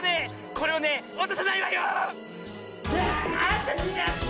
これはねわたさないわよ！